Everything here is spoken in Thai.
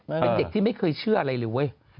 เป็นเด็กที่ไม่เคยเชื่ออะไรเลยเว้ย